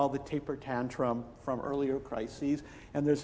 kita mungkin mengingat tantrum penutup dari krisis yang lebih awal